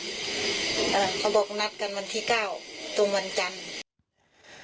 เขาบอกนัดกันวันที่เก้าตรงวันจันทร์